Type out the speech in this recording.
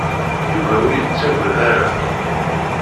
Yuba ur yettaggad ara.